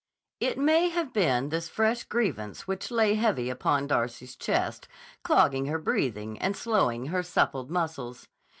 It may have been this fresh grievance which lay heavy upon Darcy's chest, clogging her breathing and slowing her suppled muscles.